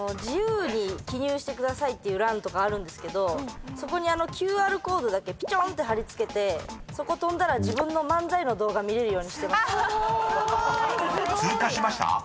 「自由に記入してください」っていう欄とかあるんですけどそこにＱＲコードだけぴちょんって貼り付けてそこ飛んだら自分の漫才の動画見れるようにしてました。